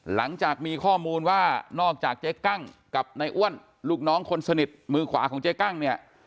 หลังจากมีข้อมูลว่านอกจากเจ๊กั้งกับนายอ้วนลูกน้องคนสนิทมือขวาของเจ๊กั้งเนี่ย